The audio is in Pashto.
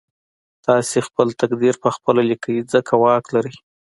تاسې خپل تقدير پخپله ليکئ ځکه واک لرئ.